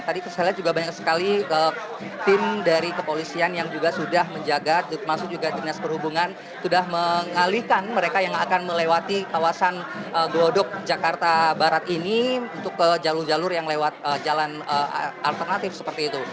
tadi saya lihat juga banyak sekali tim dari kepolisian yang juga sudah menjaga termasuk juga dinas perhubungan sudah mengalihkan mereka yang akan melewati kawasan glodok jakarta barat ini untuk ke jalur jalur yang lewat jalan alternatif seperti itu